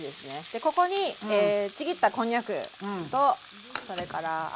でここにちぎったこんにゃくとそれから油揚げはい。